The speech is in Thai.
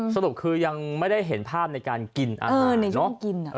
สรุปคือยังไม่ได้เห็นภาพในการกินอะไร